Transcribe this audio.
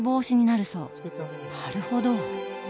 なるほど！